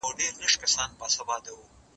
موږ چي ول تاسو به خفه سئ